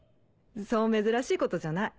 そう珍しいことじゃない。